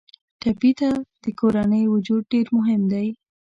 ټپي ته د کورنۍ وجود ډېر مهم دی.